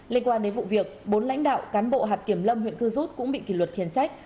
liên quan đến vụ việc bốn lãnh đạo cán bộ hạt kiểm lâm huyện cư rút cũng bị kỷ luật khiển trách